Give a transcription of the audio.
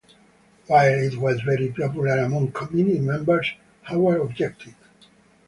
While it was very popular among committee members, Harvard objected.